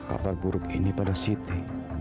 kabar buruk ini pada siti